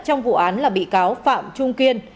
trong vụ án là bị cáo phạm trung kiên